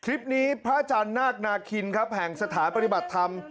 พระอาจารย์นาคนาคินครับแห่งสถานปฏิบัติธรรม